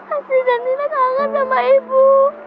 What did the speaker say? asri dan nina kangen sama ibu